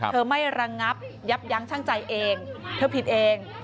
เธอไม่ระงับยับยั้งช่างใจเองเธอผิดเอง